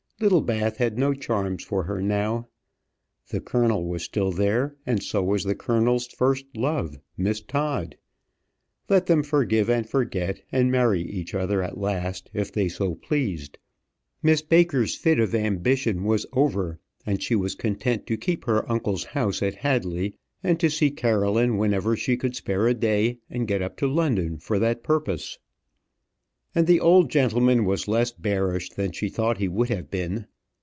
Littlebath had no charms for her now. The colonel was still there, and so was the colonel's first love Miss Todd: let them forgive and forget, and marry each other at last if they so pleased. Miss Baker's fit of ambition was over, and she was content to keep her uncle's house at Hadley, and to see Caroline whenever she could spare a day and get up to London for that purpose. And the old gentleman was less bearish than she thought he would have been.